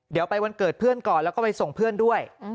เดี๋ยวไปวันเกิดเพื่อนก่อนแล้วก็ไปส่งเพื่อนด้วย